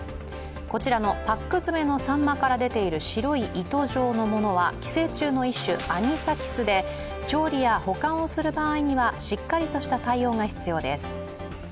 こちらのパック詰めのさんまから出ている白い糸状のものは寄生虫の一種、アニサキスで調理や保管をする場合にはしっかりとした対応が必要です。